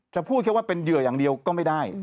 พูดแค่ว่าเป็นเหยื่ออย่างเดียวก็ไม่ได้